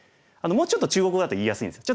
もうちょっと中国語だと言いやすいんですよ。